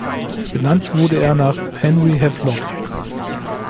Benannt wurde er nach Henry Havelock.